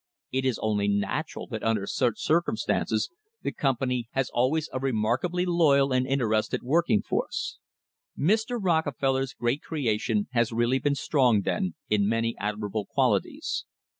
It is only natural that under such circumstances the company has always a remarkably loyal and interested working force. Mr. Rockefeller's great creation has really been strong, then,' in many admirable qualities.